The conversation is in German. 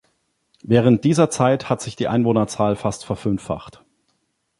Während dieser Zeit hat sich die Einwohnerzahl fast verfünffacht.